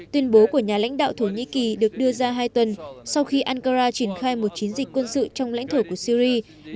tuyên bố của nhà lãnh đạo thổ nhĩ kỳ được đưa ra hai tuần sau khi ankara triển khai một chiến dịch quân sự trong lãnh thổ của syri